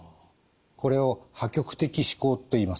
これを破局的思考といいます。